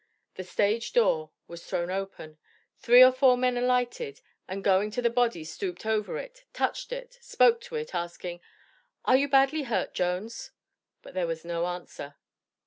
The stage door was thrown open, three or four men alighted, and going to the body stooped over it, touched it, spoke to it, asking, "Are you badly hurt, Jones?" But there was no answer.